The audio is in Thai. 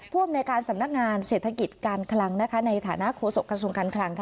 อำนวยการสำนักงานเศรษฐกิจการคลังในฐานะโฆษกระทรวงการคลัง